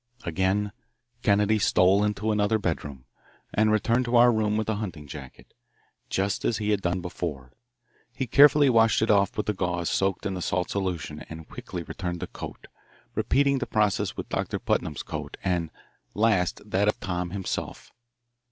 Again Kennedy stole into another bedroom, and returned to our room with a hunting jacket. Just as he had done before, he carefully washed it off with the gauze soaked in the salt solution and quickly returned the coat, repeating the process with Doctor Putnam's coat and, last, that of Tom himself.